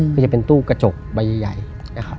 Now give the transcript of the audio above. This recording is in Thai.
ก็จะเป็นตู้กระจกใบใหญ่นะครับ